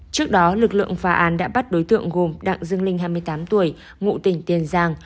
trước đó lực lượng phá án đã bắt đối tượng gồm đặng dương linh hai mươi tám tuổi ngụ tỉnh tiền giang